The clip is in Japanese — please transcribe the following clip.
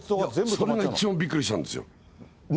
それが一番びっくりしたんですよ。